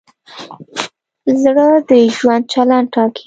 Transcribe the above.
زړه د ژوند چلند ټاکي.